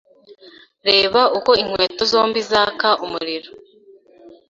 Reba uko inkweto zombi zaka umuriro